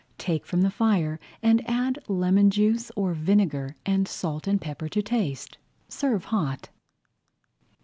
Take from the fire and add lemon juice or vinegar and salt and pepper to taste. Serve hot.